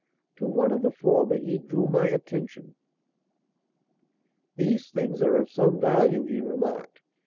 To one of the former he drew my attention. "These things are of some value," he remarked.